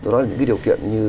đó là những cái điều kiện như